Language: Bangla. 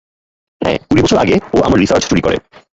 হ্যাঁ, কুড়ি বছর আগে ও আমার রিসার্চ চুরি করে!